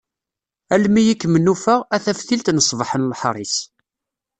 Almi i kem-nufa, a taftilt n ṣṣbeḥ n leḥris.